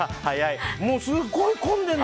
すごい混んでるの。